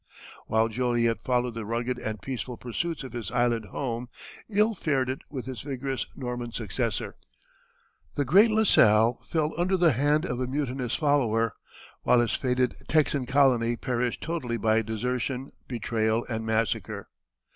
While Joliet followed the rugged and peaceful pursuits of his island home, ill fared it with his vigorous Norman successor. The great La Salle fell under the hand of a mutinous follower, while his fated Texan colony perished totally by desertion, betrayal, and massacre.